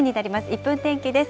１分天気です。